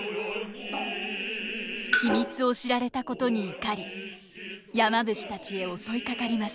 秘密を知られたことに怒り山伏たちへ襲いかかります。